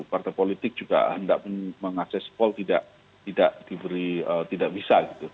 partai politik juga tidak mengakses sipol tidak bisa